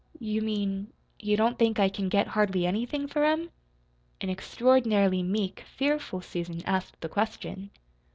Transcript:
"You mean you don't think I can get hardly anything for 'em?" An extraordinarily meek, fearful Susan asked the question.